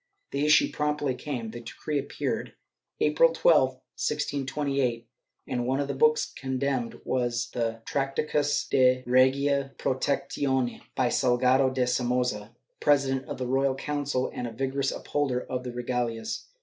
^ The issue promptly came. The decree appeared, April 12, 1628, and one of the books condemned was the "Tractatus de Regia Protectione," by Salgado de Somoza, President of the Royal Council and a vigorous upholder of the regalias.